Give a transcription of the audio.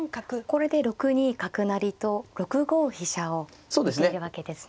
これで６二角成と６五飛車を見てるわけですね。